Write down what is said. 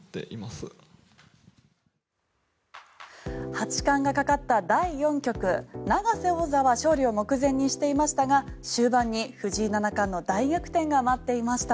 八冠がかかった第４局永瀬王座は勝利を目前にしていましたが終盤に藤井七冠の大逆転が待っていました。